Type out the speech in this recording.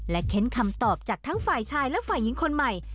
เค้นคำตอบจากทั้งฝ่ายชายและฝ่ายหญิงคนใหม่